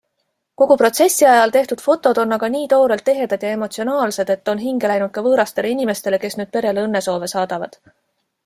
Kogu protsessi ajal tehtud fotod on aga nii toorelt ehedad ja emotsionaalsed, et on hinge läinud ka võõrastele inimestele, kes nüüd perele õnnesoove saadavad.